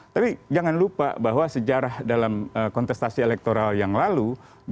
tapi jangan lupa bahwa sejarah dalam kontestasi elektoral yang lalu dua ribu sembilan belas dua ribu empat belas